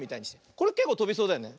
これけっこうとびそうだよね。